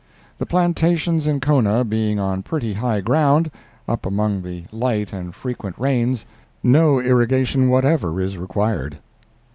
The plantations in Kona being on pretty high ground—up among the light and frequent rains—no irrigation whatever is required.